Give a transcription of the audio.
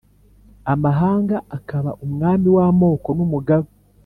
Amahanga akaba umwami w amoko n umugaba